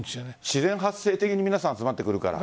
自然発生的に皆さん、集まってくるから。